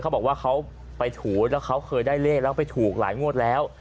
เขาบอกว่าเขาไปถูแล้วเขาเคยได้เลขแล้วไปถูกหลายงวดแล้ว